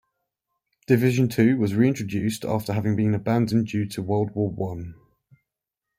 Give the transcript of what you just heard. Division Two was reintroduced after having been abandoned due to World War One.